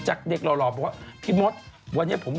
อันนี้ก็เลยของ